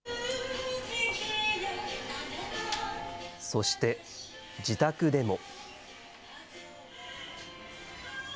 そして、自宅でも。